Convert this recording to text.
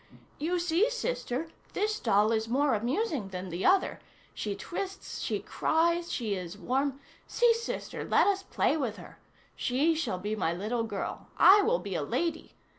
"You see, sister, this doll is more amusing than the other. She twists, she cries, she is warm. See, sister, let us play with her. She shall be my little girl. I will be a lady.